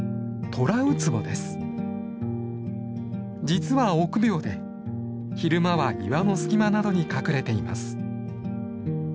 実は臆病で昼間は岩の隙間などに隠れています。